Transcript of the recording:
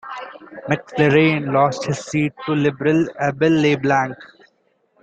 McFarlane lost his seat to Liberal Abel LeBlanc.